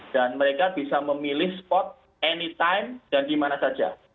dan mereka bisa memilih spot anytime dan dimana saja